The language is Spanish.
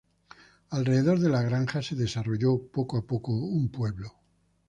Alrededor de la granja se desarrolló poco a poco un pueblo.